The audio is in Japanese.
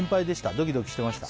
ドキドキしてました？